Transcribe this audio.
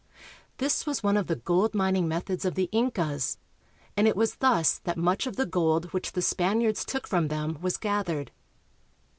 This was one of the gold mining methods of the Incas, and it was thus that much of the gold which the Spaniards took from them was gathered.